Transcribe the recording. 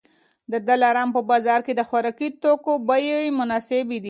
د دلارام په بازار کي د خوراکي توکو بیې مناسبې دي